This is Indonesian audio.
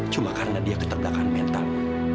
cuma karena dia keterbelakangan mental